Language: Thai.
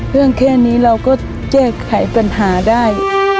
เรื่องแค่นี้เราก็เจ็บไขปัญหาได้